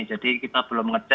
jadi kita belum mengenal